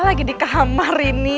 lagi di kamar ini